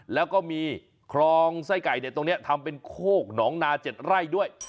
แล้วก็มีคลองไส้ไก่ตรงนี้ทำเป็นโคกหนองนา๗ไร่ด้วย